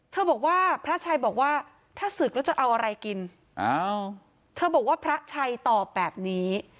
บอกว่าพระชัยบอกว่าถ้าศึกแล้วจะเอาอะไรกินเธอบอกว่าพระชัยตอบแบบนี้